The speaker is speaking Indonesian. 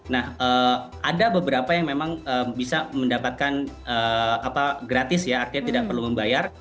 nah ada beberapa yang memang bisa mendapatkan gratis ya artinya tidak perlu membayar